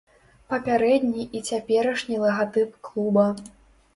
Папярэдні і цяперашні лагатып клуба.